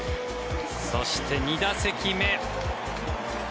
そして２打席目。